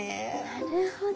なるほど。